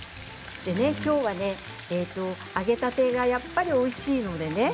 今日はね揚げたてはやっぱりおいしいのでね。